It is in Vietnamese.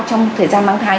trong thời gian mang thai